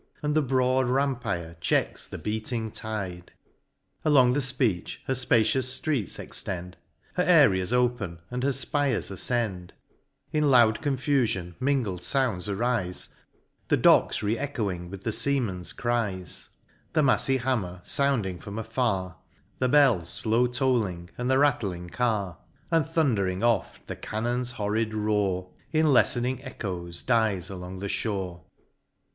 And the broad rampire checks the beating tide ; Along MOUNT PLEASANT. Along the beach her fpacious ftreets extend, Her areas open, and her fpires afcend ; In loud confufion mingled founds arife, The docks re echoing with the feamen's cries, The mafTy hammer "founding from afar, The bell flow tolling, and the rattling car ; And thundering oft the cannon's horrid roar, In lefTening echos dies along the fhore.